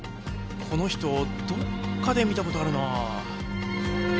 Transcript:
この人どっかで見た事あるなあ。